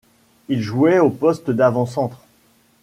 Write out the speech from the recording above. Il jouait au poste d'avant-centre.